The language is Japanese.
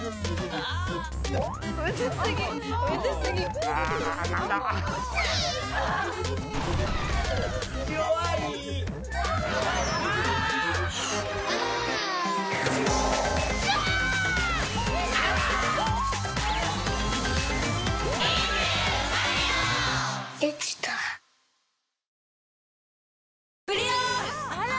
あら！